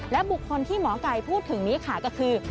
และบุคคลที่หมอไก่พูดถึงนี้ค่ะก็คือ